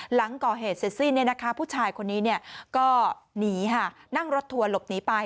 หลังก่อเหตุเสร็จสิ้นผู้ชายคนนี้ก็หนีค่ะนั่งรถทัวร์หลบหนีไป